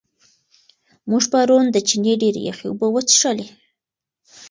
موږ پرون د چینې ډېرې یخې اوبه وڅښلې.